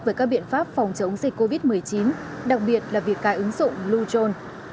về các biện pháp phòng chống dịch covid một mươi chín đặc biệt là việc cài ứng dụng blue